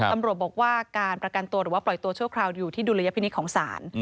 ตำรวจบอกว่าการประกันตัวหรือว่าปล่อยตัวชั่วคราวอยู่ที่ดุลยพินิษฐ์ของศาล